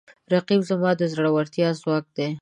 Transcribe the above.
رقیب زما د زړورتیا ځواک دی